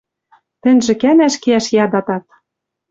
Тӹньжӹ кӓнӓш кеӓш ядатат».